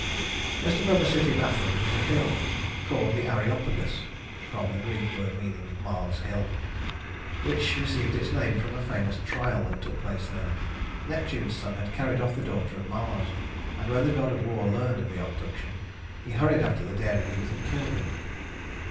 Just above the city of Athens was a hill called the Areopagus (from the Greek word meaning Mars Hill), which received its name from a famous trial that took place there. Neptune's son had carried off the daughter of Mars; and when the god of war learned of the abduction, he hurried after the daring youth and killed him.